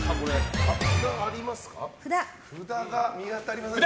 札が見当たりませんね。